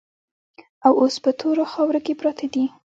او اوس په تورو خاورو کې پراته دي.